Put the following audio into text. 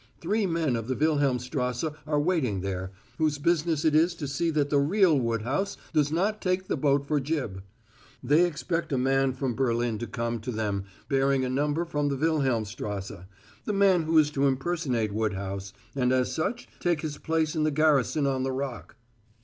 Three men of the Wilhelmstrasse are waiting there, whose business it is to see that the real Woodhouse does not take the boat for Gib. They expect a man from Berlin to come to them, bearing a number from the Wilhelmstrasse the man who is to impersonate Woodhouse and as such take his place in the garrison on the Rock.